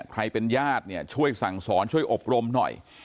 ใครเป็นญาติเนี่ยช่วยสั่งสอนช่วยอบรมหน่อย